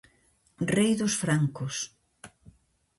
Rei dos francos.